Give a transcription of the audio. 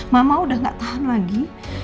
mama udah gak tahan lagi